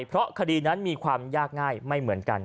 เพราะคดีนั้นมีความยากง่ายไม่เหมือนกัน